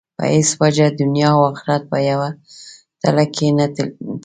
په هېڅ وجه دنیا او آخرت په یوه تله کې نه تلي.